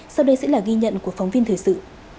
sau đây sẽ là ghi nhận của phóng viên thời sự